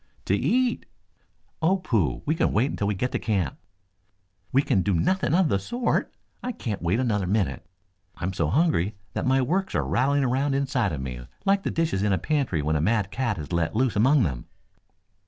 "To eat." "Oh, pooh! We can wait until we get to camp." "We can do nothing of the sort! I can't wait another minute. I'm so hungry that my works are rattling around inside of me like the dishes in a pantry when a mad cat is let loose among them."